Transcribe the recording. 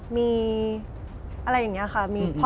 มีอะไรอย่างนี้ค่ะ